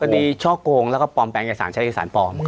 ช่อโกงแล้วก็ปลอมแปลงเอกสารใช้เอกสารปลอม